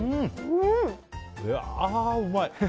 あー、うまい！